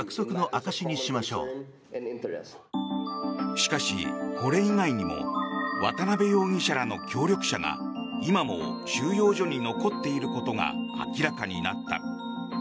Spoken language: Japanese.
しかし、これ以外にも渡邉容疑者らの協力者が今も収容所に残っていることが明らかになった。